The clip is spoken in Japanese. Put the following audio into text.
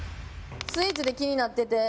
スイーツで気になってて。